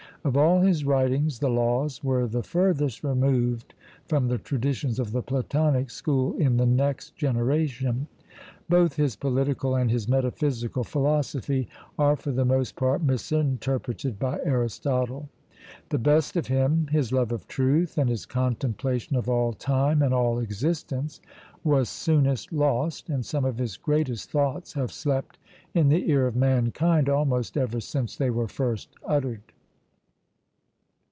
Of all his writings the Laws were the furthest removed from the traditions of the Platonic school in the next generation. Both his political and his metaphysical philosophy are for the most part misinterpreted by Aristotle. The best of him his love of truth, and his 'contemplation of all time and all existence,' was soonest lost; and some of his greatest thoughts have slept in the ear of mankind almost ever since they were first uttered.